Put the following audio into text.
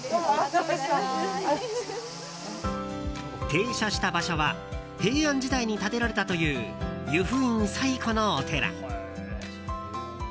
停車した場所は平安時代に建てられたという由布院最古のお寺。